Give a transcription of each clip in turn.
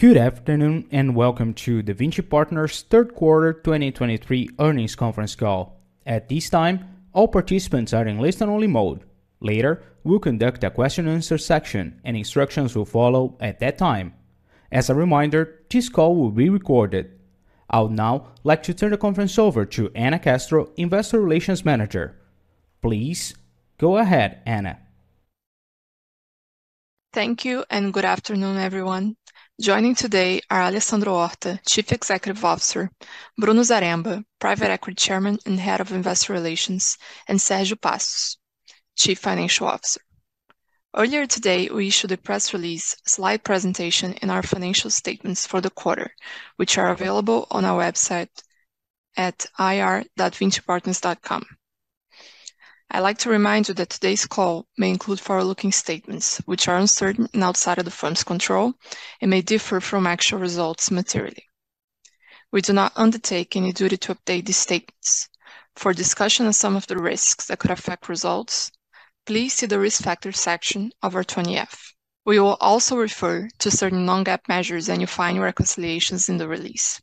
Good afternoon, and welcome to the Vinci Partners' third quarter 2023 earnings conference call. At this time, all participants are in listen-only mode. Later, we'll conduct a question and answer section, and instructions will follow at that time. As a reminder, this call will be recorded. I would now like to turn the conference over to Ana Castro, Investor Relations Manager. Please go ahead, Ana. Thank you, and good afternoon, everyone. Joining today are Alessandro Horta, Chief Executive Officer, Bruno Zaremba, Private Equity Chairman and Head of Investor Relations, and Sergio Passos, Chief Financial Officer. Earlier today, we issued a press release, slide presentation, and our financial statements for the quarter, which are available on our website at ir.vincipartners.com. I'd like to remind you that today's call may include forward-looking statements, which are uncertain and outside of the firm's control and may differ from actual results materially. We do not undertake any duty to update these statements. For discussion on some of the risks that could affect results, please see the Risk Factors section of our 20-F. We will also refer to certain non-GAAP measures, and you'll find reconciliations in the release.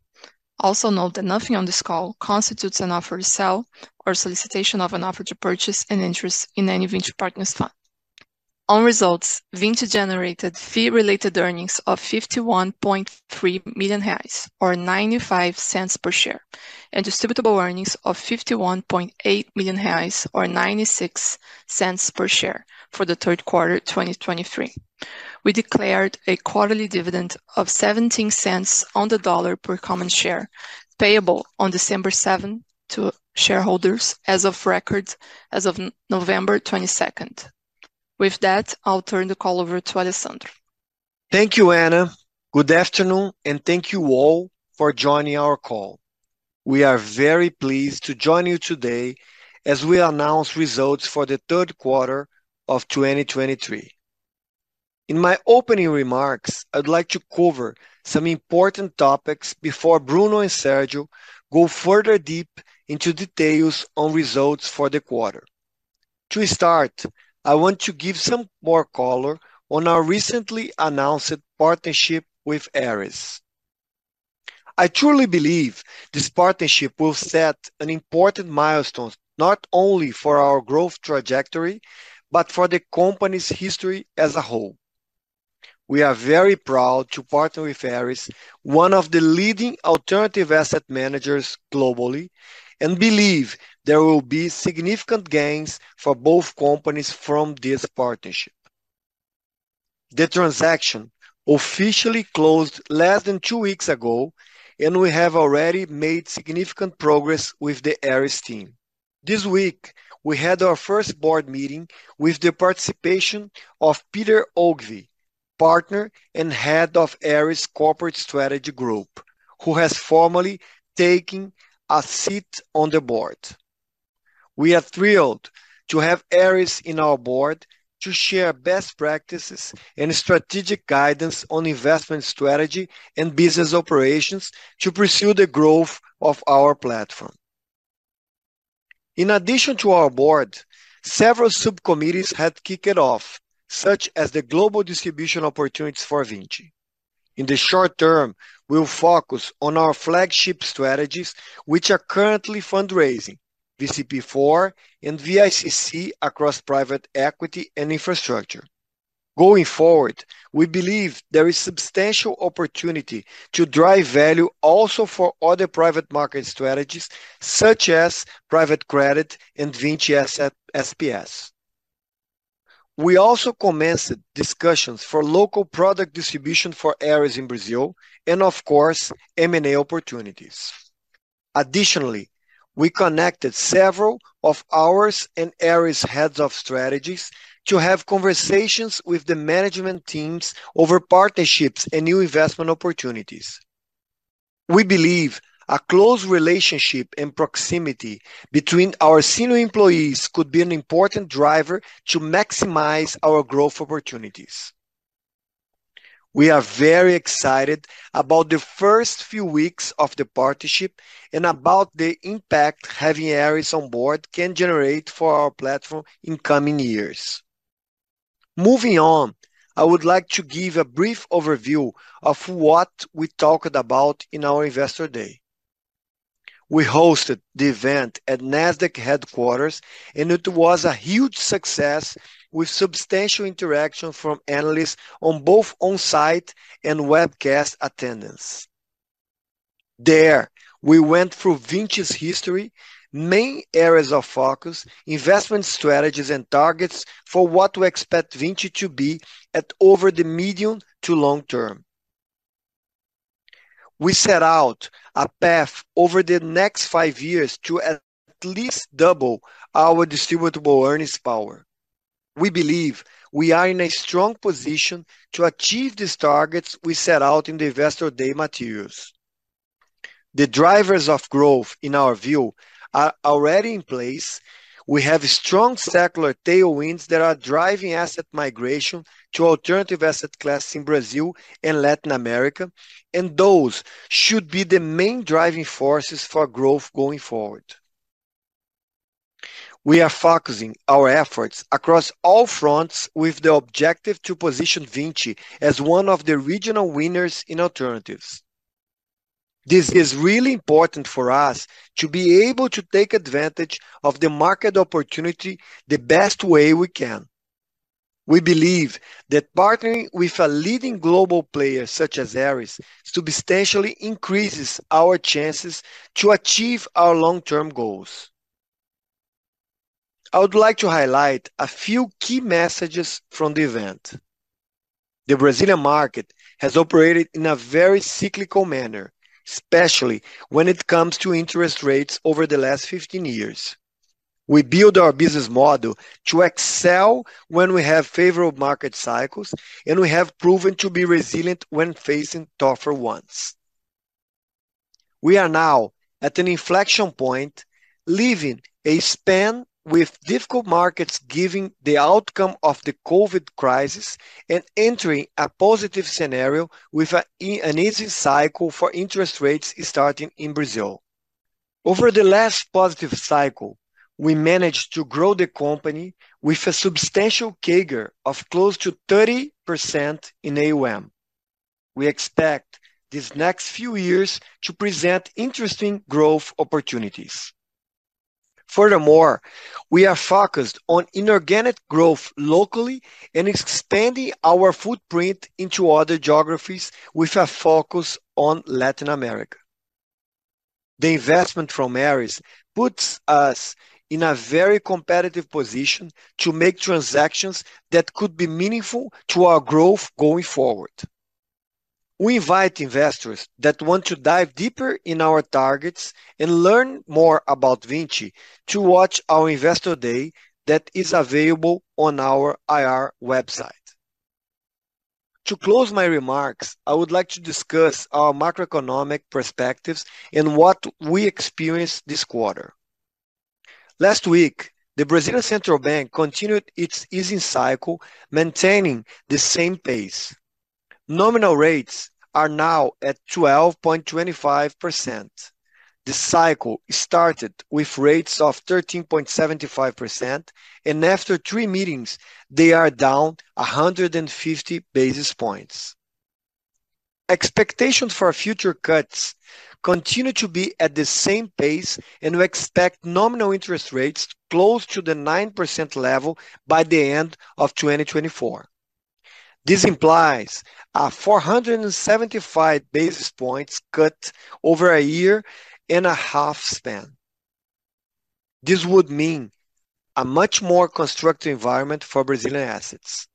Also, note that nothing on this call constitutes an offer to sell or solicitation of an offer to purchase an interest in any Vinci Partners fund. On results, Vinci generated fee-related earnings of 51.3 million reais, or $0.95 per share, and distributable earnings of 51.8 million reais, or $0.96 per share for the third quarter of 2023. We declared a quarterly dividend of $0.17 per common share, payable on December 7th to shareholders as of record as of November 22. With that, I'll turn the call over to Alessandro. Thank you, Ana. Good afternoon, and thank you all for joining our call. We are very pleased to join you today as we announce results for the third quarter of 2023. In my opening remarks, I'd like to cover some important topics before Bruno and Sergio go further deep into details on results for the quarter. To start, I want to give some more color on our recently announced partnership with Ares. I truly believe this partnership will set an important milestone, not only for our growth trajectory, but for the company's history as a whole. We are very proud to partner with Ares, one of the leading alternative asset managers globally, and believe there will be significant gains for both companies from this partnership. The transaction officially closed less than two weeks ago, and we have already made significant progress with the Ares team. This week, we had our first board meeting with the participation of Peter Ogilvie, Partner and Head of Ares Corporate Strategy Group, who has formally taken a seat on the board. We are thrilled to have Ares in our board to share best practices and strategic guidance on investment strategy and business operations to pursue the growth of our platform. In addition to our board, several subcommittees had kicked off, such as the global distribution opportunities for Vinci. In the short term, we'll focus on our flagship strategies, which are currently fundraising, VCP4 and VICC across private equity and infrastructure. Going forward, we believe there is substantial opportunity to drive value also for other private market strategies, such as private credit and Vinci SPS. We also commenced discussions for local product distribution for Ares in Brazil and of course, M&A opportunities. Additionally, we connected several of ours and Ares heads of strategies to have conversations with the management teams over partnerships and new investment opportunities. We believe a close relationship and proximity between our senior employees could be an important driver to maximize our growth opportunities. We are very excited about the first few weeks of the partnership and about the impact having Ares on board can generate for our platform in coming years. Moving on, I would like to give a brief overview of what we talked about in our Investor Day. We hosted the event at Nasdaq headquarters, and it was a huge success with substantial interaction from analysts on both on-site and webcast attendance. There, we went through Vinci's history, main areas of focus, investment strategies, and targets for what we expect Vinci to be at over the medium to long term. We set out a path over the next five years to at least double our distributable earnings power. We believe we are in a strong position to achieve these targets we set out in the Investor Day materials. The drivers of growth, in our view, are already in place. We have strong secular tailwinds that are driving asset migration to alternative asset classes in Brazil and Latin America, and those should be the main driving forces for growth going forward.... We are focusing our efforts across all fronts with the objective to position Vinci as one of the regional winners in alternatives. This is really important for us to be able to take advantage of the market opportunity the best way we can. We believe that partnering with a leading global player, such as Ares, substantially increases our chances to achieve our long-term goals. I would like to highlight a few key messages from the event. The Brazilian market has operated in a very cyclical manner, especially when it comes to interest rates over the last 15 years. We build our business model to excel when we have favorable market cycles, and we have proven to be resilient when facing tougher ones. We are now at an inflection point, leaving a span with difficult markets, giving the outcome of the COVID crisis and entering a positive scenario with an easy cycle for interest rates starting in Brazil. Over the last positive cycle, we managed to grow the company with a substantial CAGR of close to 30% in AUM. We expect these next few years to present interesting growth opportunities. Furthermore, we are focused on inorganic growth locally and expanding our footprint into other geographies with a focus on Latin America. The investment from Ares puts us in a very competitive position to make transactions that could be meaningful to our growth going forward. We invite investors that want to dive deeper in our targets and learn more about Vinci to watch our Investor Day that is available on our IR website. To close my remarks, I would like to discuss our macroeconomic perspectives and what we experienced this quarter. Last week, the Brazilian Central Bank continued its easing cycle, maintaining the same pace. Nominal rates are now at 12.25%. The cycle started with rates of 13.75%, and after three meetings, they are down 150 basis points. Expectations for future cuts continue to be at the same pace, and we expect nominal interest rates close to the 9% level by the end of 2024. This implies a 475 basis points cut over a year and a half span. This would mean a much more constructive environment for Brazilian assets.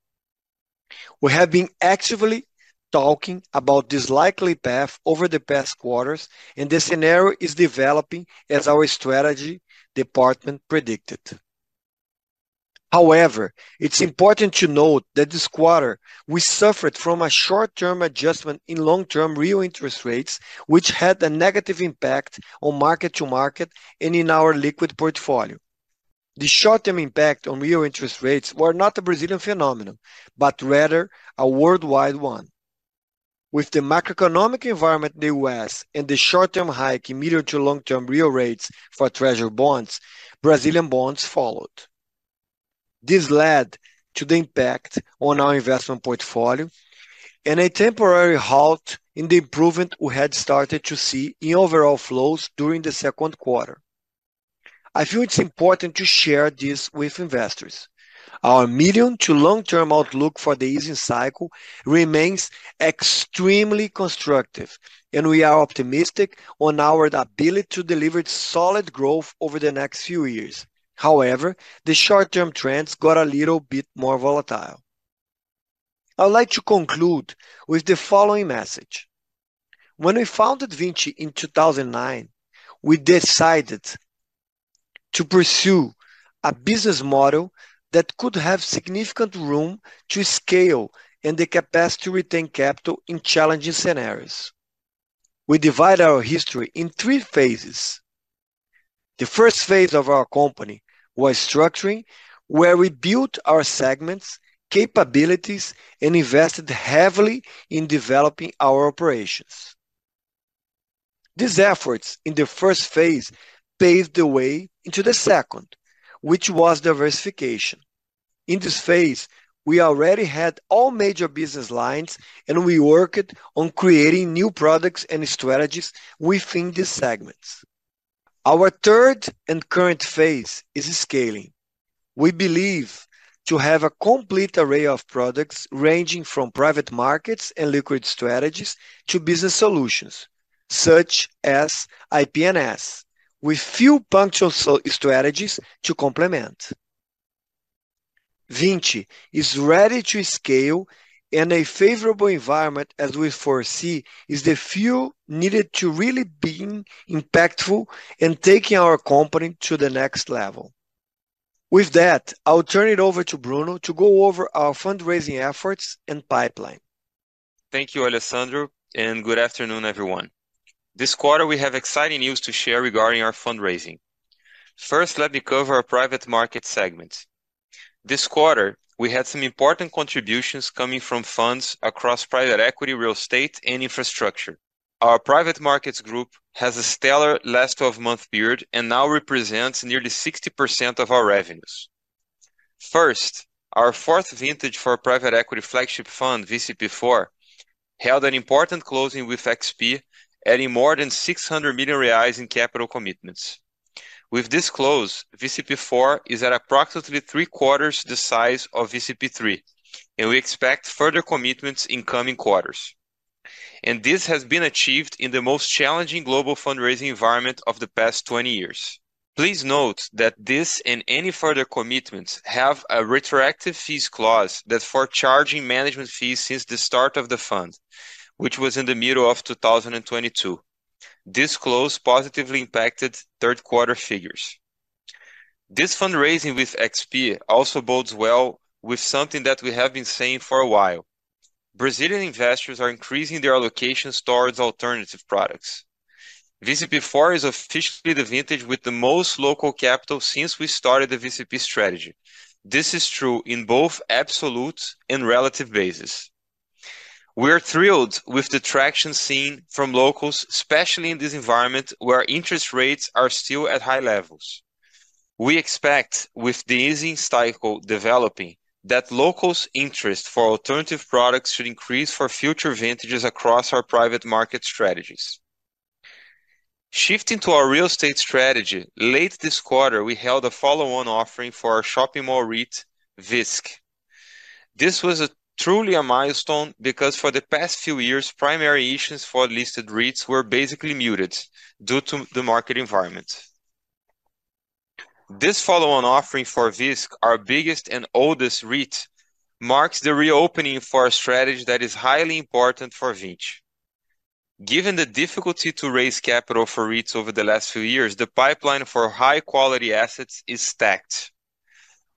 We have been actively talking about this likely path over the past quarters, and the scenario is developing as our strategy department predicted. However, it's important to note that this quarter we suffered from a short-term adjustment in long-term real interest rates, which had a negative impact on mark-to-market and in our liquid portfolio. The short-term impact on real interest rates were not a Brazilian phenomenon, but rather a worldwide one. With the macroeconomic environment in the U.S. and the short-term hike in medium to long-term real rates for Treasury bonds, Brazilian bonds followed. This led to the impact on our investment portfolio and a temporary halt in the improvement we had started to see in overall flows during the second quarter. I feel it's important to share this with investors. Our medium to long-term outlook for the easing cycle remains extremely constructive, and we are optimistic on our ability to deliver solid growth over the next few years. However, the short-term trends got a little bit more volatile. I would like to conclude with the following message: When we founded Vinci in 2009, we decided to pursue a business model that could have significant room to scale and the capacity to retain capital in challenging scenarios. We divide our history in three phases. The first phase of our company was structuring, where we built our segments, capabilities, and invested heavily in developing our operations. These efforts in the first phase paved the way into the second, which was diversification. In this phase, we already had all major business lines, and we worked on creating new products and strategies within these segments. Our third and current phase is scaling. We believe to have a complete array of products, ranging from private markets and liquid strategies to business solutions, such as IP&S, with few punctual strategies to complement. Vinci is ready to scale, and a favorable environment, as we foresee, is the fuel needed to really being impactful in taking our company to the next level. With that, I'll turn it over to Bruno to go over our fundraising efforts and pipeline. Thank you, Alessandro, and good afternoon, everyone. This quarter, we have exciting news to share regarding our fundraising. First, let me cover our private market segment. This quarter, we had some important contributions coming from funds across private equity, real estate, and infrastructure. Our private markets group has a stellar 12-month period, and now represents nearly 60% of our revenues. First, our fourth vintage for private equity flagship fund, VCP4, held an important closing with XP, adding more than 600 million reais in capital commitments. With this close, VCP4 is at approximately three quarters the size of VCP3, and we expect further commitments in coming quarters. This has been achieved in the most challenging global fundraising environment of the past 20 years. Please note that this and any further commitments have a retroactive fees clause that's for charging management fees since the start of the fund, which was in the middle of 2022. This close positively impacted third quarter figures. This fundraising with XP also bodes well with something that we have been saying for a while. Brazilian investors are increasing their allocations towards alternative products. VCP4 is officially the vintage with the most local capital since we started the VCP strategy. This is true in both absolute and relative basis. We are thrilled with the traction seen from locals, especially in this environment, where interest rates are still at high levels. We expect, with the easing cycle developing, that locals' interest for alternative products should increase for future vintages across our private market strategies. Shifting to our real estate strategy, late this quarter, we held a follow-on offering for our shopping mall REIT, VISC. This was truly a milestone because for the past few years, primary issues for listed REITs were basically muted due to the market environment. This follow-on offering for VISC, our biggest and oldest REIT, marks the reopening for a strategy that is highly important for Vinci. Given the difficulty to raise capital for REITs over the last few years, the pipeline for high-quality assets is stacked.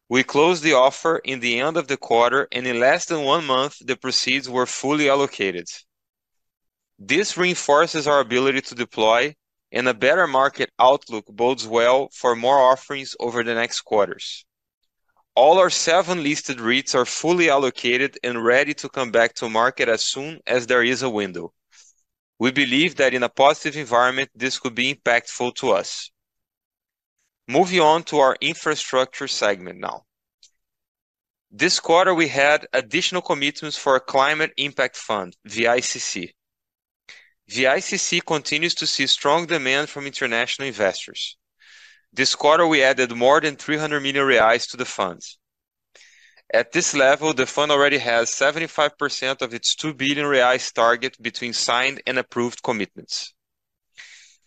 We closed the offer in the end of the quarter, and in less than one month, the proceeds were fully allocated. This reinforces our ability to deploy, and a better market outlook bodes well for more offerings over the next quarters. All our seven listed REITs are fully allocated and ready to come back to market as soon as there is a window. We believe that in a positive environment, this could be impactful to us. Moving on to our infrastructure segment now. This quarter, we had additional commitments for our climate impact fund, VICC. VICC continues to see strong demand from international investors. This quarter, we added more than 300 million reais to the funds. At this level, the fund already has 75% of its 2 billion reais target between signed and approved commitments.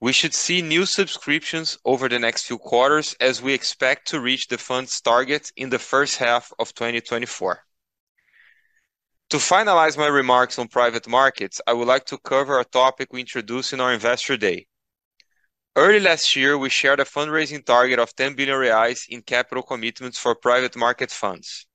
We should see new subscriptions over the next few quarters, as we expect to reach the fund's target in the first half of 2024. To finalize my remarks on private markets, I would like to cover a topic we introduced in our Investor Day. Early last year, we shared a fundraising target of 10 billion reais in capital commitments for private market funds.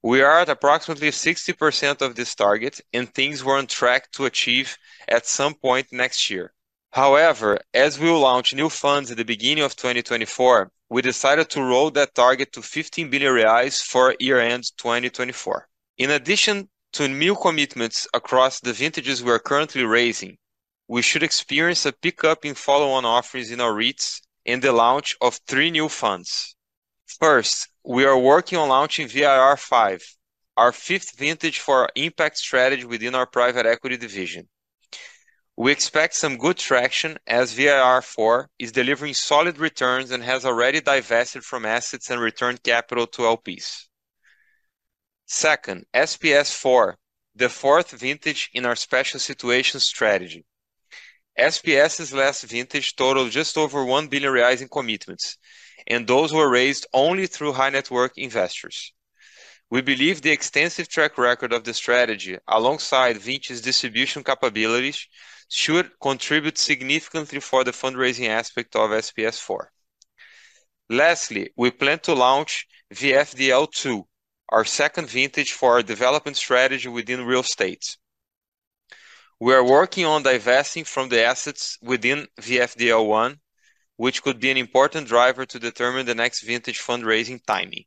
We are at approximately 60% of this target, and things were on track to achieve at some point next year. However, as we will launch new funds at the beginning of 2024, we decided to roll that target to 15 billion reais for year-end 2024. In addition to new commitments across the vintages we are currently raising, we should experience a pickup in follow-on offerings in our REITs and the launch of three new funds. First, we are working on launching VIR5, our fifth vintage for our impact strategy within our private equity division. We expect some good traction as VIR4 is delivering solid returns and has already divested from assets and returned capital to LPs. Second, SPS4, the fourth vintage in our special situations strategy. SPS's last vintage totaled just over 1 billion reais in commitments, and those were raised only through high-net-worth investors. We believe the extensive track record of the strategy, alongside Vinci's distribution capabilities, should contribute significantly for the fundraising aspect of SPS4. Lastly, we plan to launch VFDL2, our second vintage for our development strategy within real estate. We are working on divesting from the assets within VFDL1, which could be an important driver to determine the next vintage fundraising timing.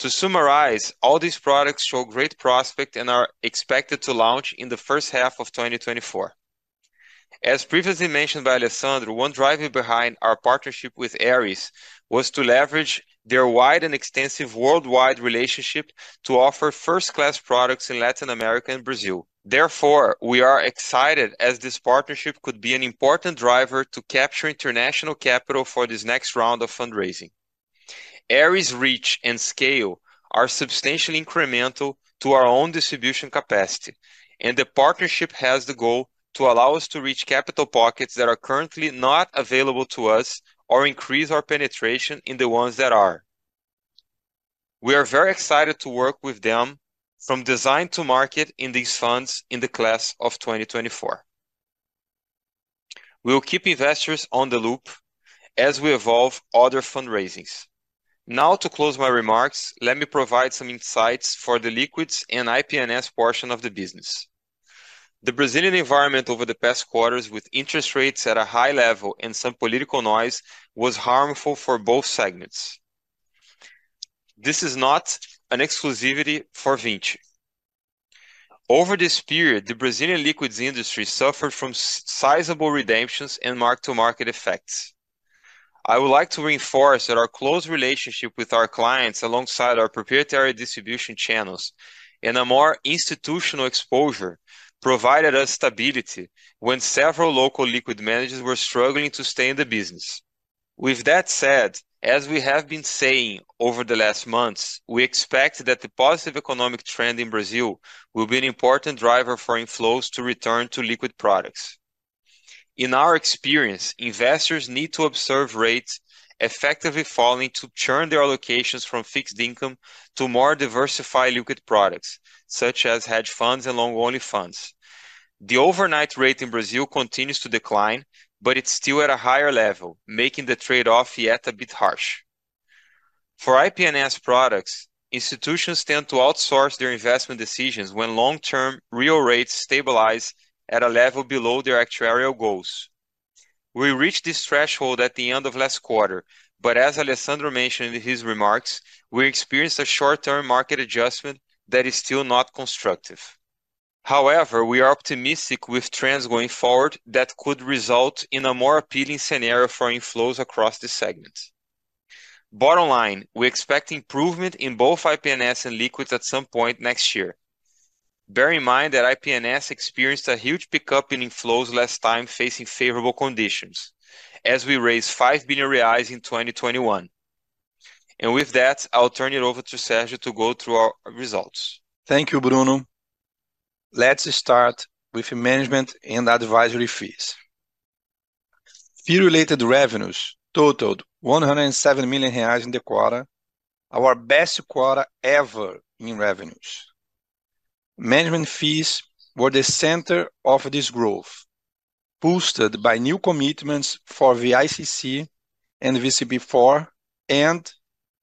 To summarize, all these products show great prospect and are expected to launch in the first half of 2024. As previously mentioned by Alessandro, one driver behind our partnership with Ares was to leverage their wide and extensive worldwide relationship to offer first-class products in Latin America and Brazil. Therefore, we are excited, as this partnership could be an important driver to capture international capital for this next round of fundraising. Ares' reach and scale are substantially incremental to our own distribution capacity, and the partnership has the goal to allow us to reach capital pockets that are currently not available to us or increase our penetration in the ones that are. We are very excited to work with them from design to market in these funds in the class of 2024. We will keep investors in the loop as we evolve other fundraisings. Now, to close my remarks, let me provide some insights for the liquids and IP&S portion of the business. The Brazilian environment over the past quarters, with interest rates at a high level and some political noise, was harmful for both segments. This is not an exclusivity for Vinci. Over this period, the Brazilian liquids industry suffered from sizable redemptions and mark-to-market effects. I would like to reinforce that our close relationship with our clients, alongside our proprietary distribution channels and a more institutional exposure, provided us stability when several local liquid managers were struggling to stay in the business. With that said, as we have been saying over the last months, we expect that the positive economic trend in Brazil will be an important driver for inflows to return to liquid products. In our experience, investors need to observe rates effectively falling to churn their allocations from fixed income to more diversified liquid products, such as hedge funds and long-only funds. The overnight rate in Brazil continues to decline, but it's still at a higher level, making the trade-off yet a bit harsh. For IP&S products, institutions tend to outsource their investment decisions when long-term real rates stabilize at a level below their actuarial goals. We reached this threshold at the end of last quarter, but as Alessandro mentioned in his remarks, we experienced a short-term market adjustment that is still not constructive. However, we are optimistic with trends going forward that could result in a more appealing scenario for inflows across this segment. Bottom line, we expect improvement in both IP&S and liquids at some point next year. Bear in mind that IP&S experienced a huge pickup in inflows last time, facing favorable conditions, as we raised 5 billion reais in 2021. With that, I'll turn it over to Sergio to go through our results. Thank you, Bruno. Let's start with management and advisory fees. Fee-related revenues totaled 107 million reais in the quarter, our best quarter ever in revenues. Management fees were the center of this growth, boosted by new commitments for the VICC and VCP4, and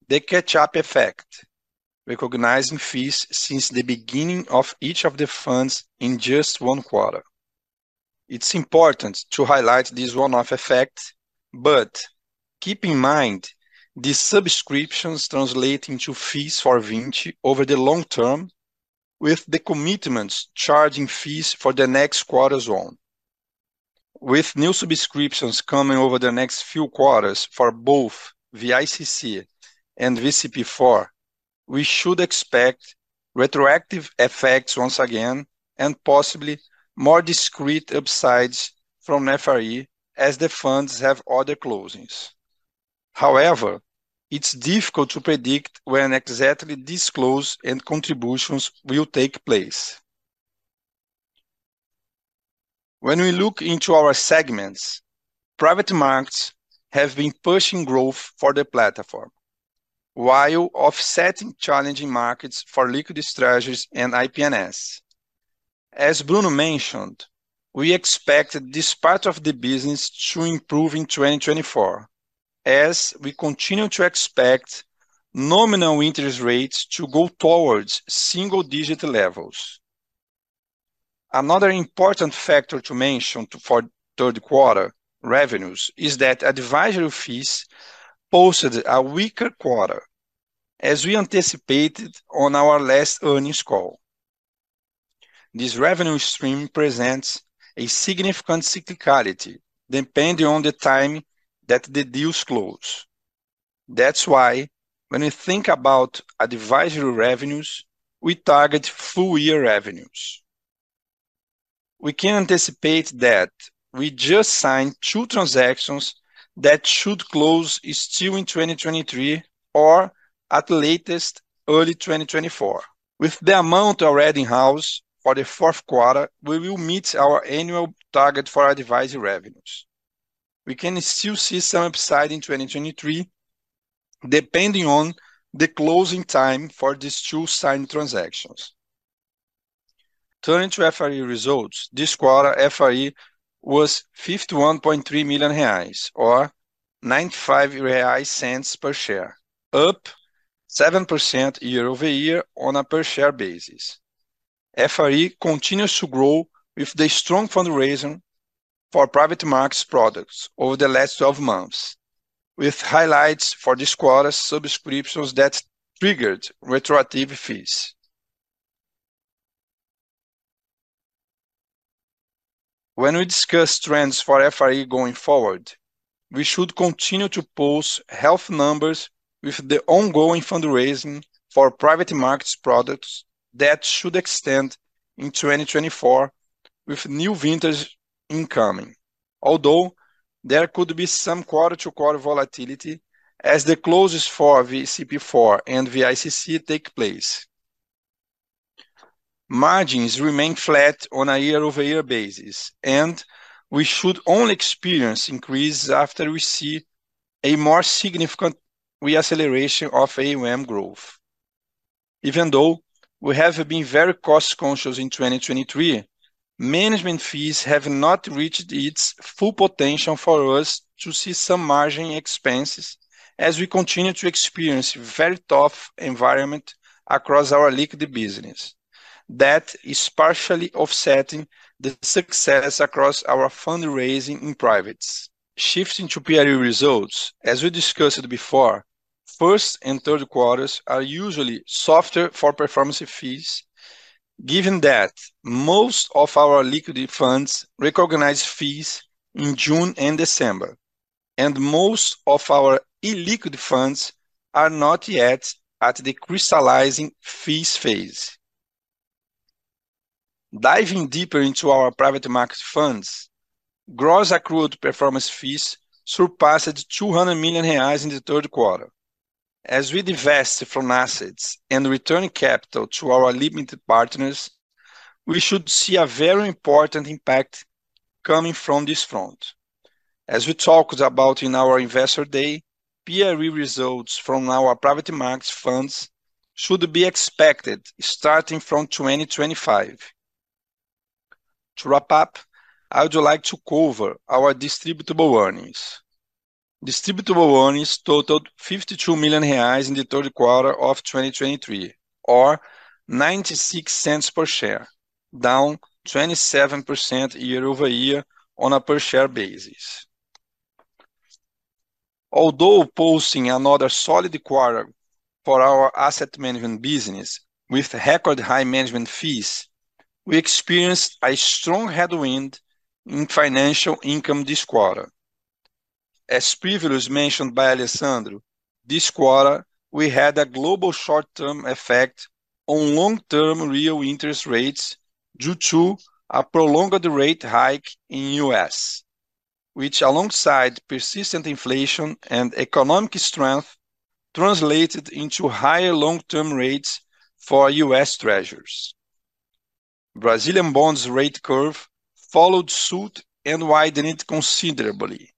the catch-up effect, recognizing fees since the beginning of each of the funds in just one quarter. It's important to highlight this one-off effect, but keep in mind, these subscriptions translate into fees for Vinci over the long term, with the commitments charging fees for the next quarters on. With new subscriptions coming over the next few quarters for both VICC and VCP4, we should expect retroactive effects once again, and possibly more discrete upsides from FRE as the funds have other closings. However, it's difficult to predict when exactly this close and contributions will take place. When we look into our segments, private markets have been pushing growth for the platform, while offsetting challenging markets for liquidity strategies and IP&S. As Bruno mentioned, we expect this part of the business to improve in 2024, as we continue to expect nominal interest rates to go towards single-digit levels. Another important factor to mention for third quarter revenues is that advisory fees posted a weaker quarter, as we anticipated on our last earnings call. This revenue stream presents a significant cyclicality depending on the time that the deals close. That's why when we think about advisory revenues, we target full-year revenues. We can anticipate that we just signed two transactions that should close still in 2023 or, at the latest, early 2024. With the amount already in-house for the fourth quarter, we will meet our annual target for advisory revenues. We can still see some upside in 2023, depending on the closing time for these two signed transactions. Turning to FRE results, this quarter, FRE was 51.3 million reais, or 0.95 per share, up 7% year-over-year on a per-share basis. FRE continues to grow with the strong fundraising for private markets products over the last 12 months, with highlights for this quarter's subscriptions that triggered retroactive fees. When we discuss trends for FRE going forward, we should continue to post health numbers with the ongoing fundraising for private markets products. That should extend in 2024 with new ventures incoming, although there could be some quarter-to-quarter volatility as the closes for VCP4 and VICC take place. Margins remain flat on a year-over-year basis, and we should only experience increase after we see a more significant re-acceleration of AUM growth. Even though we have been very cost-conscious in 2023, management fees have not reached its full potential for us to see some margin expenses as we continue to experience very tough environment across our liquid business. That is partially offsetting the success across our fundraising in privates. Shifting to PRE results, as we discussed before, first and third quarters are usually softer for performance fees, given that most of our liquidity funds recognize fees in June and December, and most of our illiquid funds are not yet at the crystallizing fees phase. Diving deeper into our private market funds, gross accrued performance fees surpassed 200 million reais in the third quarter. As we divest from assets and return capital to our limited partners, we should see a very important impact coming from this front. As we talked about in our Investor Day, PRE results from our private markets funds should be expected starting from 2025. To wrap up, I would like to cover our distributable earnings. Distributable earnings totaled 52 million reais in the third quarter of 2023, or $0.96 per share, down 27% year-over-year on a per share basis. Although posting another solid quarter for our asset management business with record high management fees, we experienced a strong headwind in financial income this quarter. As previously mentioned by Alessandro, this quarter we had a global short-term effect on long-term real interest rates due to a prolonged rate hike in the U.S., which alongside persistent inflation and economic strength, translated into higher long-term rates for U.S. Treasuries. Brazilian bonds rate curve followed suit and widened considerably,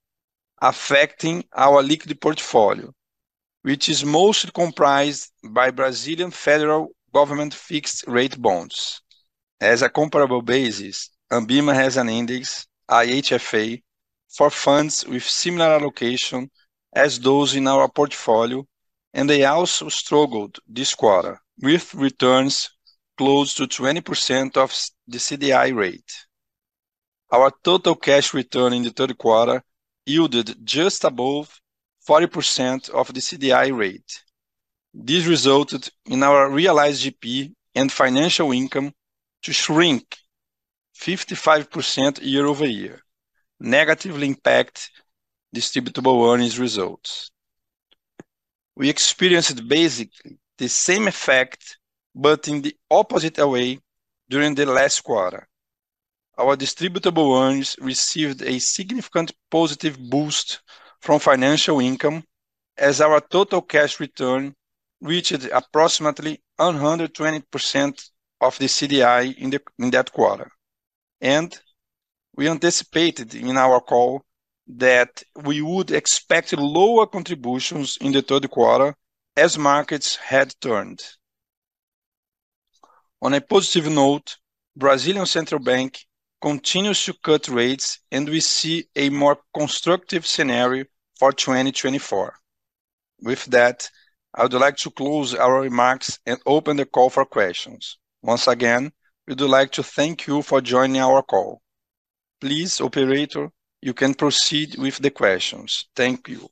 affecting our liquid portfolio, which is mostly comprised by Brazilian federal government fixed rate bonds. As a comparable basis, ANBIMA has an index, IHFA, for funds with similar allocation as those in our portfolio, and they also struggled this quarter, with returns close to 20% of the CDI rate. Our total cash return in the third quarter yielded just above 40% of the CDI rate. This resulted in our realized GP and financial income to shrink 55% year-over-year, negatively impact distributable earnings results. We experienced basically the same effect, but in the opposite way during the last quarter. Our distributable earnings received a significant positive boost from financial income as our total cash return reached approximately 120% of the CDI in that quarter. We anticipated in our call that we would expect lower contributions in the third quarter as markets had turned. On a positive note, Brazilian Central Bank continues to cut rates, and we see a more constructive scenario for 2024. With that, I would like to close our remarks and open the call for questions. Once again, we would like to thank you for joining our call. Please, operator, you can proceed with the questions. Thank you.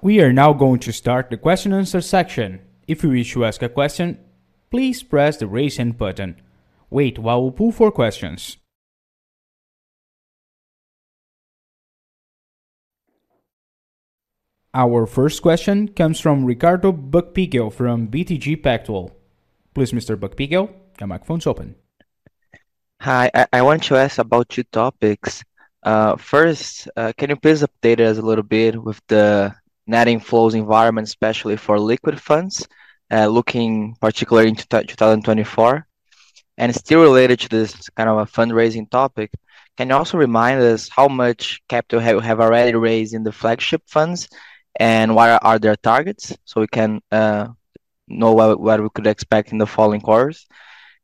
We are now going to start the question and answer section. If you wish to ask a question, please press the Raise Hand button. Wait while we pull for questions. Our first question comes from Ricardo Buchpiguel from BTG Pactual. Please, Mr. Buchpigel, your microphone is open. Hi, I want to ask about two topics. First, can you please update us a little bit with the net inflows environment, especially for liquid funds, looking particularly into 2024? And still related to this kind of a fundraising topic, can you also remind us how much capital you have already raised in the flagship funds, and what are their targets, so we can know what we could expect in the following quarters?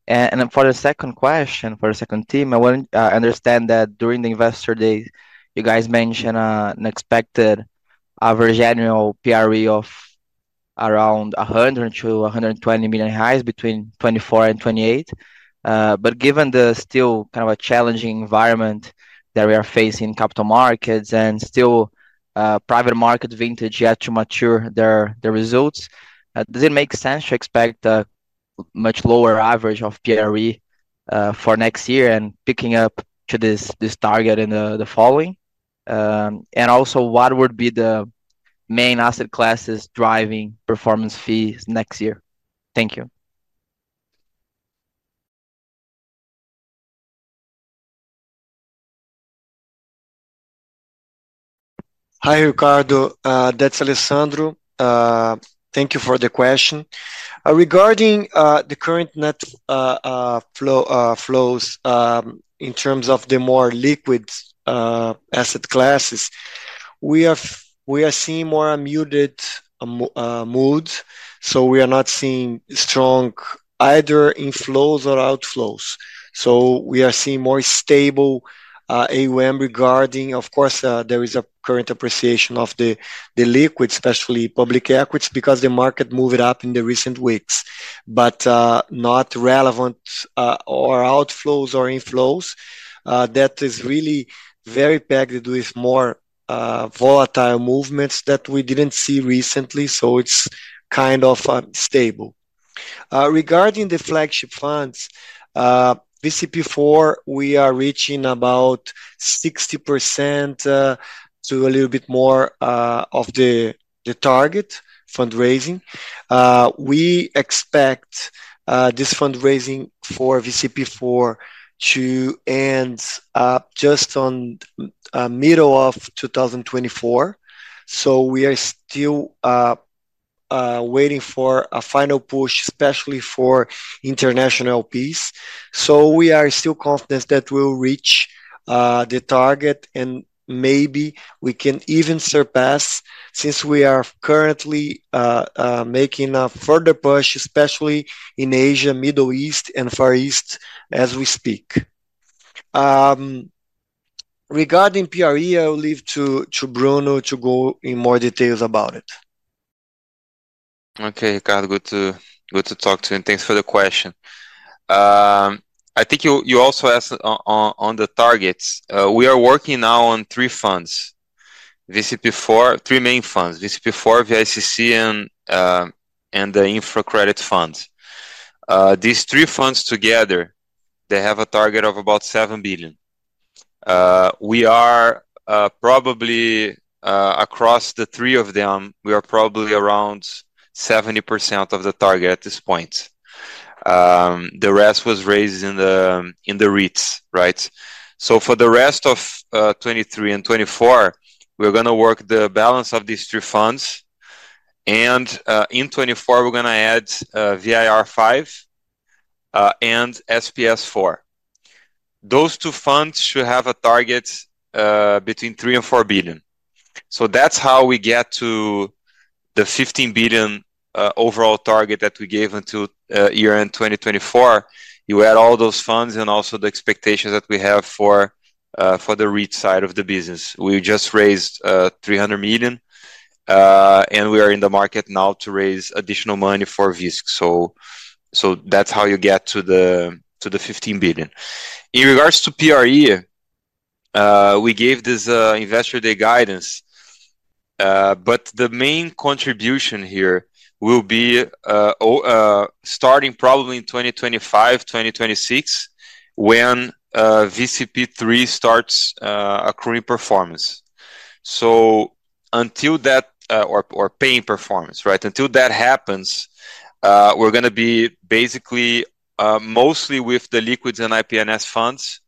And for the second question, for the second theme, I want... I understand that during the Investor Day, you guys mentioned an expected average annual PRE of around 100 million-120 million reais between 2024 and 2028. But given the still kind of a challenging environment that we are facing in capital markets and still private market vintage yet to mature their results, does it make sense to expect a much lower average of PRE for next year and picking up to this target in the following? And also, what would be the main asset classes driving performance fees next year? Thank you. Hi, Ricardo, that's Alessandro. Thank you for the question. Regarding the current net flows in terms of the more liquid asset classes-... We are seeing more a muted mood, so we are not seeing strong either inflows or outflows. So we are seeing more stable AUM regarding, of course, there is a current appreciation of the liquid, especially public equities, because the market moved up in the recent weeks. But not relevant or outflows or inflows, that is really very packed with more volatile movements that we didn't see recently, so it's kind of stable. Regarding the flagship funds, VCP4, we are reaching about 60%, so a little bit more of the target fundraising. We expect this fundraising for VCP4 to end up just on middle of 2024. So we are still waiting for a final push, especially for international LPs. So we are still confident that we'll reach the target, and maybe we can even surpass, since we are currently making a further push, especially in Asia, Middle East, and Far East, as we speak. Regarding PRE, I will leave to Bruno to go in more details about it. Okay, Ricardo, good to, good to talk to you, and thanks for the question. I think you, you also asked on, on, on the targets. We are working now on three funds. VCP4... Three main funds, VCP4, VICC, and, and the Infra Credit funds. These three funds together, they have a target of about 7 billion. We are probably across the three of them, we are probably around 70% of the target at this point. The rest was raised in the, in the REITs, right? So for the rest of 2023 and 2024, we're gonna work the balance of these three funds, and, in 2024 we're gonna add, VIR5, and SPS4. Those two funds should have a target, between 3 billion and 4 billion. So that's how we get to the 15 billion overall target that we gave until year-end 2024. You add all those funds and also the expectations that we have for the REIT side of the business. We just raised 300 million and we are in the market now to raise additional money for VISC. So that's how you get to the 15 billion. In regards to PRE, we gave this Investor Day guidance, but the main contribution here will be starting probably in 2025, 2026, when VCP3 starts accruing performance. So until that or paying performance, right? Until that happens, we're gonna be basically mostly with the liquids and IP&S funds.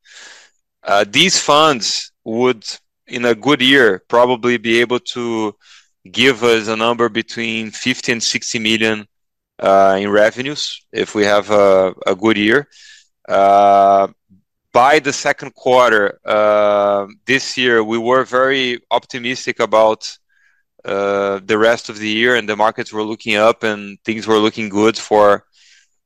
These funds would, in a good year, probably be able to give us a number between $50 million-$60 million in revenues, if we have a good year. By the second quarter this year, we were very optimistic about the rest of the year, and the markets were looking up, and things were looking good for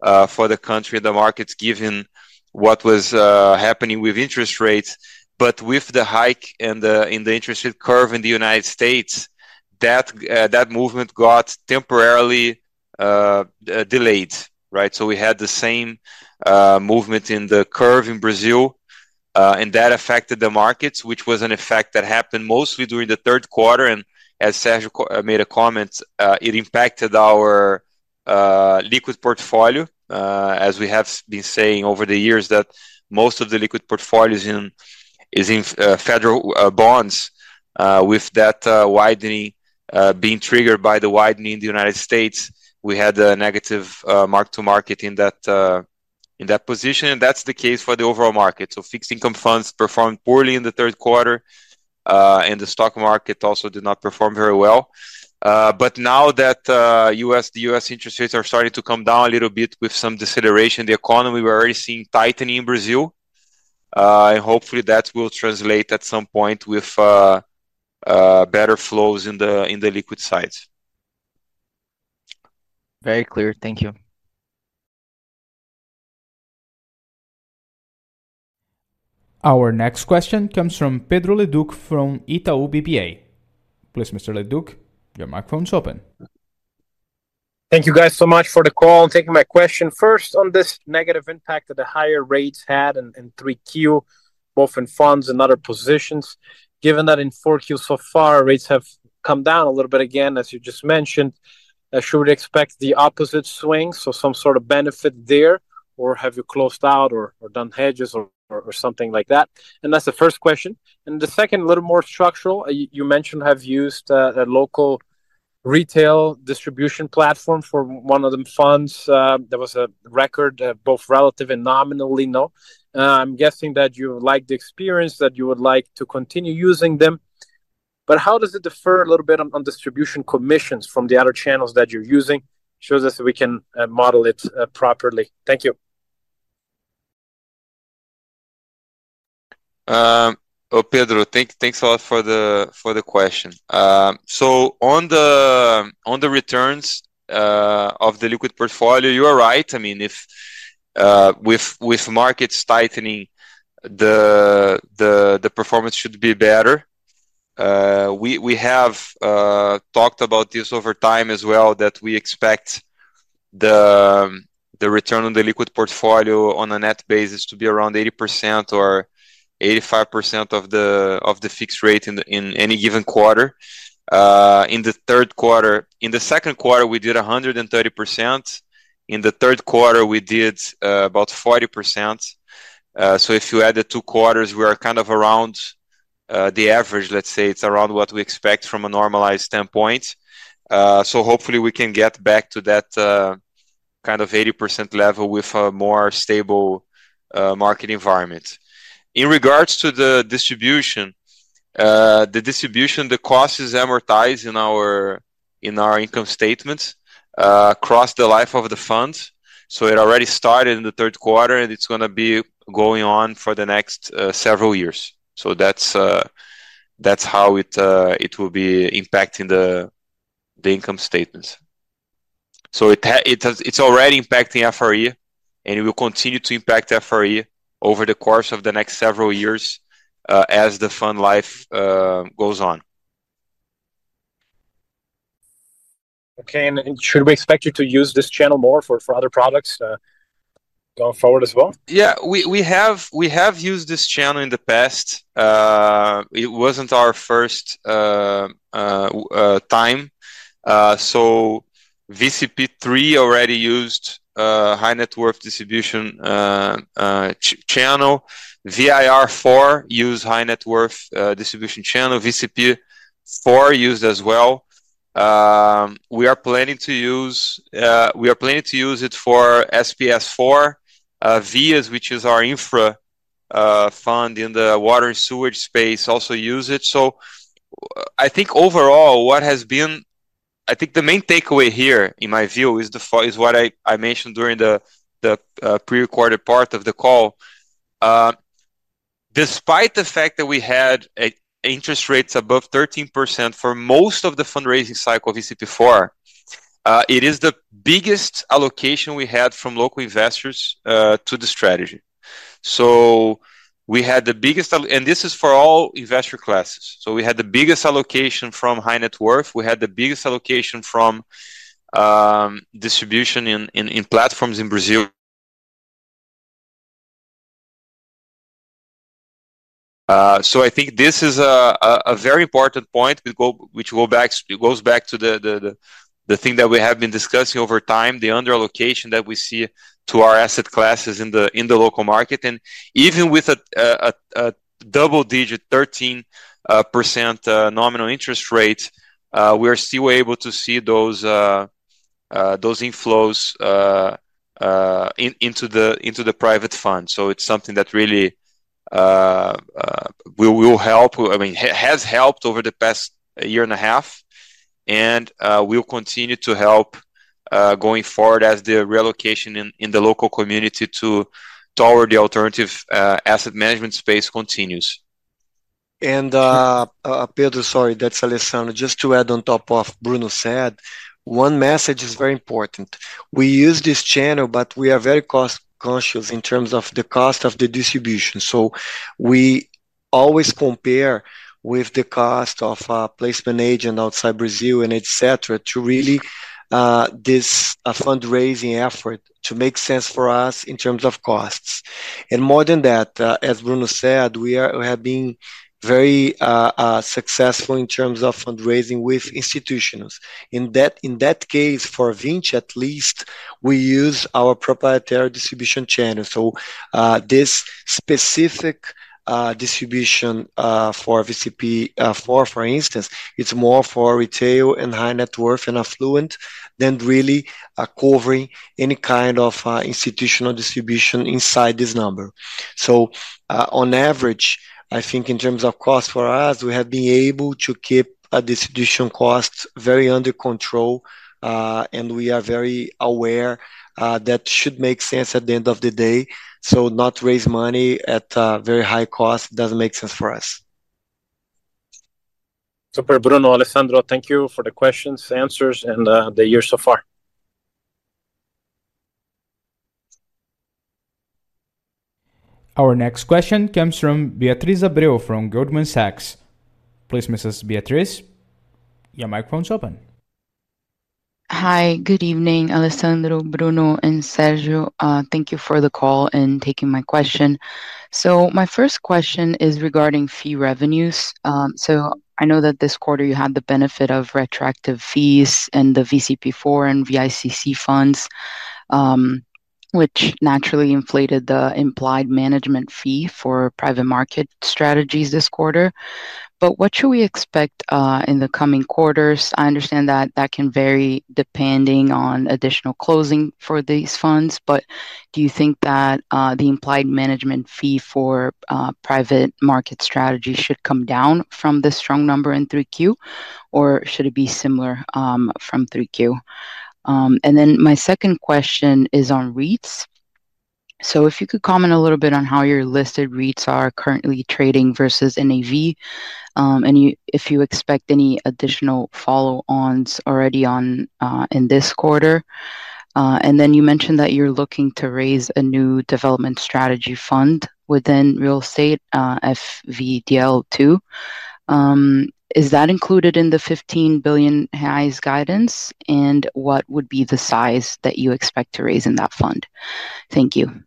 the country and the markets, given what was happening with interest rates. But with the hike in the interest rate curve in the United States, that movement got temporarily delayed, right? So we had the same movement in the curve in Brazil, and that affected the markets, which was an effect that happened mostly during the third quarter. And as Sergio commented, it impacted our liquid portfolio. As we have been saying over the years, that most of the liquid portfolios is in federal bonds. With that widening being triggered by the widening in the United States, we had a negative mark-to-market in that position, and that's the case for the overall market. So fixed income funds performed poorly in the third quarter, and the stock market also did not perform very well. But now that the U.S. interest rates are starting to come down a little bit with some deceleration, the economy, we're already seeing tightening in Brazil. And hopefully that will translate at some point with better flows in the liquid sides. Very clear. Thank you. Our next question comes from Pedro Leduc from Itaú BBA. Please, Mr. Leduc, your microphone is open. Thank you, guys, so much for the call and taking my question. First, on this negative impact that the higher rates had in 3Q, both in funds and other positions, given that in 4Q so far, rates have come down a little bit again, as you just mentioned, should we expect the opposite swing, so some sort of benefit there, or have you closed out or done hedges or something like that? And that's the first question. And the second, a little more structural. You mentioned have used a local retail distribution platform for one of the funds. That was a record, both relative and nominally, no? I'm guessing that you like the experience, that you would like to continue using them, but how does it differ a little bit on distribution commissions from the other channels that you're using? Shows us that we can model it properly. Thank you.... Oh, Pedro, thanks a lot for the question. So on the returns of the liquid portfolio, you are right. I mean, if with markets tightening, the performance should be better. We have talked about this over time as well, that we expect the return on the liquid portfolio on a net basis to be around 80% or 85% of the fixed rate in any given quarter. In the third quarter... In the second quarter, we did 130%. In the third quarter, we did about 40%. So if you add the two quarters, we are kind of around the average, let's say. It's around what we expect from a normalized standpoint. So hopefully we can get back to that, kind of 80% level with a more stable, market environment. In regards to the distribution, the distribution, the cost is amortized in our, in our income statement, across the life of the fund. So it already started in the third quarter, and it's gonna be going on for the next, several years. So that's, that's how it, it will be impacting the, the income statements. So it's already impacting FRE, and it will continue to impact FRE over the course of the next several years, as the fund life, goes on. Okay, and should we expect you to use this channel more for other products going forward as well? Yeah. We have used this channel in the past. It wasn't our first time. So VCP3 already used high net worth distribution channel. VIR4 used high net worth distribution channel. VCP4 used as well. We are planning to use it for SPS4, VIAS, which is our infra fund in the water and sewage space, also use it. So I think overall, what has been... I think the main takeaway here, in my view, is what I mentioned during the pre-recorded part of the call. Despite the fact that we had interest rates above 13% for most of the fundraising cycle of VCP4, it is the biggest allocation we had from local investors to the strategy. So we had the biggest allocation and this is for all investor classes. So we had the biggest allocation from high net worth, we had the biggest allocation from distribution in platforms in Brazil. So I think this is a very important point, which goes back to the thing that we have been discussing over time, the under-allocation that we see to our asset classes in the local market. And even with a double-digit 13% nominal interest rate, we are still able to see those inflows into the private fund. So it's something that really will help... I mean, has helped over the past year and a half, and will continue to help going forward as the relocation in the local community toward the alternative asset management space continues. And, Pedro, sorry, that's Alessandro. Just to add on top of what Bruno said, one message is very important. We use this channel, but we are very cost-conscious in terms of the cost of the distribution. So we always compare with the cost of a placement agent outside Brazil and et cetera, to really make this fundraising effort make sense for us in terms of costs. And more than that, as Bruno said, we are—we have been very successful in terms of fundraising with institutions. In that case, for Vinci, at least, we use our proprietary distribution channel. So, this specific distribution for VCP4, for instance, it's more for retail and high net worth and affluent than really covering any kind of institutional distribution inside this number. So, on average, I think in terms of cost for us, we have been able to keep our distribution costs very under control, and we are very aware that should make sense at the end of the day. So not raise money at a very high cost doesn't make sense for us. Super, Bruno, Alessandro, thank you for the questions, answers, and the year so far. Our next question comes from Beatriz Abreu, from Goldman Sachs. Please, Mrs. Beatriz, your microphone's open. Hi, good evening, Alessandro, Bruno, and Sergio. Thank you for the call and taking my question. So my first question is regarding fee revenues. So I know that this quarter you had the benefit of retroactive fees in the VCP4 and VICC funds, which naturally inflated the implied management fee for private market strategies this quarter. But what should we expect in the coming quarters? I understand that that can vary depending on additional closing for these funds, but do you think that the implied management fee for private market strategy should come down from the strong number in 3Q, or should it be similar from 3Q? And then my second question is on REITs.... So if you could comment a little bit on how your listed REITs are currently trading versus NAV, and if you expect any additional follow-ons already on in this quarter. And then you mentioned that you're looking to raise a new development strategy fund within real estate, VFDL2. Is that included in the 15 billion highs guidance? And what would be the size that you expect to raise in that fund? Thank you.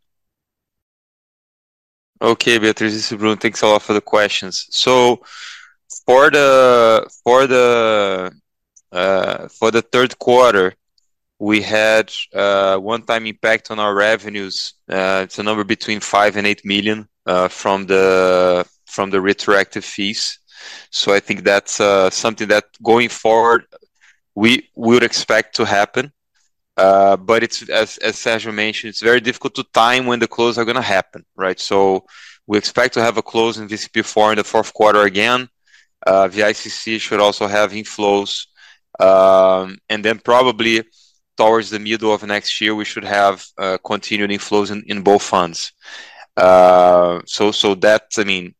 Okay, Beatriz, this is Bruno. Thanks a lot for the questions. So for the third quarter, we had one-time impact on our revenues. It's a number between $5 million-$8 million from the retroactive fees. So I think that's something that going forward, we would expect to happen. But it's as Sergio mentioned, it's very difficult to time when the close are gonna happen, right? So we expect to have a close in VCP four in the fourth quarter again. VICC should also have inflows. And then probably towards the middle of next year, we should have continued inflows in both funds. So that, I mean,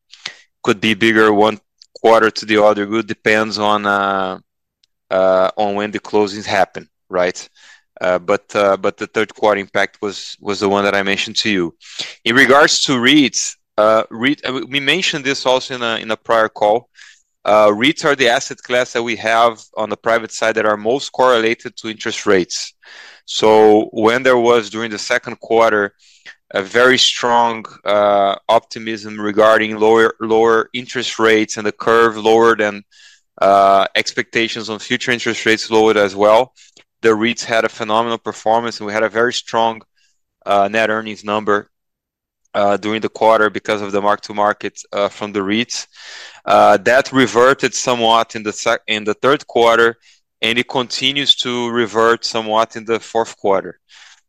could be bigger one quarter to the other. It depends on when the closings happen, right? But the third quarter impact was the one that I mentioned to you. In regards to REITs, we mentioned this also in a prior call. REITs are the asset class that we have on the private side that are most correlated to interest rates. So when there was during the second quarter a very strong optimism regarding lower interest rates and the curve lowered and expectations on future interest rates lowered as well, the REITs had a phenomenal performance, and we had a very strong net earnings number during the quarter because of the mark to market from the REITs. That reverted somewhat in the third quarter, and it continues to revert somewhat in the fourth quarter.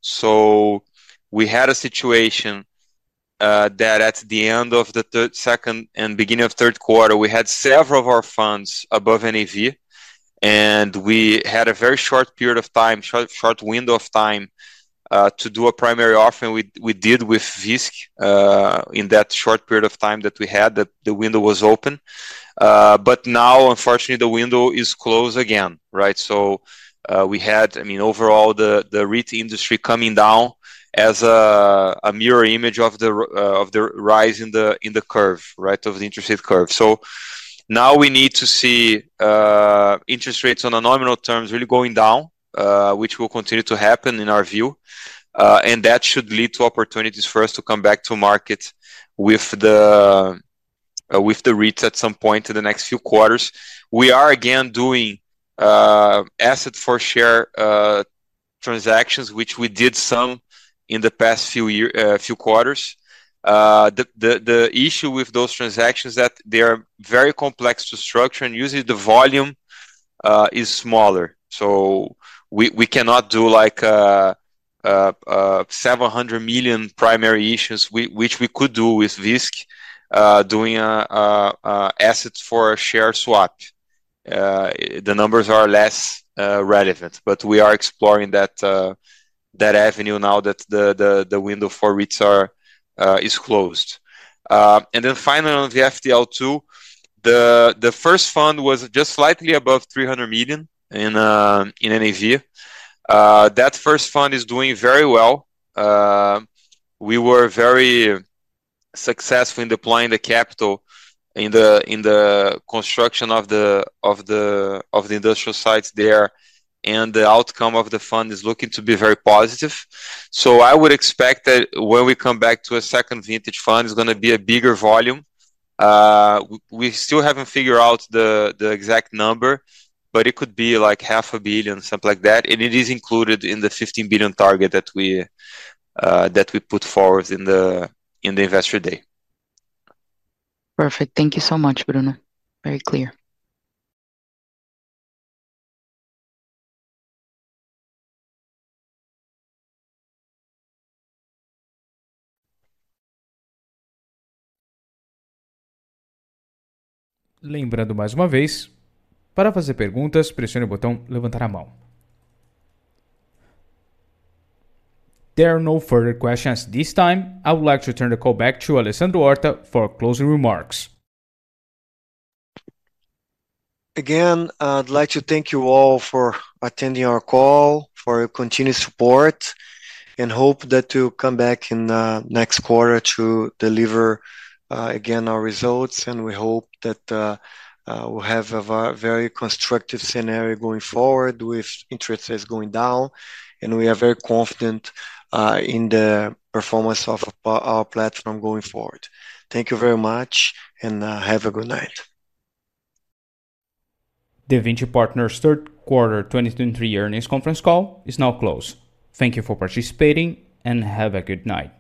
So we had a situation, that at the end of the third, second, and beginning of third quarter, we had several of our funds above NAV, and we had a very short period of time, short, short window of time, to do a primary offer, and we did with VISC, in that short period of time that we had, that the window was open. But now, unfortunately, the window is closed again, right? So, we had... I mean, overall, the REIT industry coming down as a mirror image of the rise in the curve, right? Of the interest rate curve. So now we need to see, interest rates on a nominal terms really going down, which will continue to happen in our view. And that should lead to opportunities for us to come back to market with the REITs at some point in the next few quarters. We are again doing asset for share transactions, which we did some in the past few year, few quarters. The issue with those transactions is that they are very complex to structure, and usually, the volume is smaller. So we cannot do like 700 million primary issues, which we could do with VISC, doing assets for a share swap. The numbers are less relevant, but we are exploring that avenue now that the window for REITs is closed. And then finally, on the VFDL2, the first fund was just slightly above 300 million in NAV. That first fund is doing very well. We were very successful in deploying the capital in the construction of the industrial sites there, and the outcome of the fund is looking to be very positive. So I would expect that when we come back to a second vintage fund, it's gonna be a bigger volume. We still haven't figured out the exact number, but it could be like 500 million, something like that, and it is included in the 15 billion target that we put forward in the Investor Day. Perfect. Thank you so much, Bruno. Very clear. There are no further questions this time. I would like to turn the call back to Alessandro Horta for closing remarks. Again, I'd like to thank you all for attending our call, for your continued support, and hope that we'll come back in next quarter to deliver again our results. We hope that we'll have a very constructive scenario going forward with interest rates going down, and we are very confident in the performance of our platform going forward. Thank you very much, and have a good night. Vinci Partners third quarter 2023 earnings conference call is now closed. Thank you for participating and have a good night.